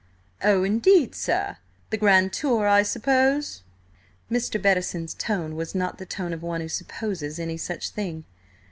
"Oh, indeed, sir? The 'grand tour,' I suppose?" Mr. Bettison's tone was not the tone of one who supposes any such thing.